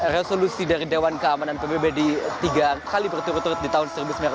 resolusi dari dewan keamanan pbb di tiga kali berturut turut di tahun seribu sembilan ratus sembilan puluh